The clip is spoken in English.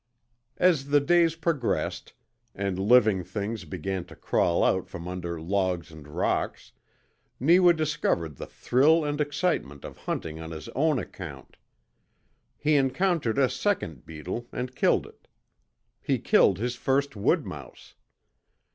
As the days progressed, and living things began to crawl out from under logs and rocks, Neewa discovered the thrill and excitement of hunting on his own account. He encountered a second beetle, and killed it. He killed his first wood mouse.